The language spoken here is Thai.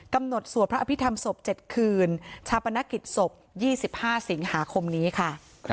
สวดพระอภิษฐรรมศพ๗คืนชาปนกิจศพ๒๕สิงหาคมนี้ค่ะ